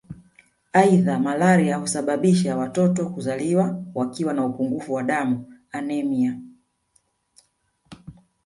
Aidha malaria husababisha watoto kuzaliwa wakiwa na upungufu wa damu anemia